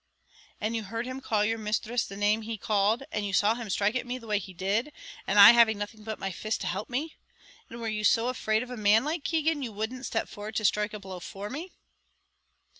"And you heard him call your misthress the name he called; and you saw him sthrike at me the way he did, and I having nothing but my fist to help me; and were you so afraid of a man like Keegan, you wouldn't step forward to strike a blow for me?"